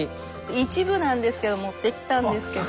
一部なんですけど持ってきたんですけど。